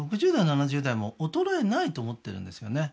６０代７０代も衰えないと思ってるんですよね